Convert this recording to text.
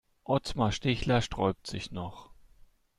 Otmar Stichler sträubt sich noch.